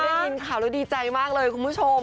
ได้ยินข่าวแล้วดีใจมากเลยคุณผู้ชม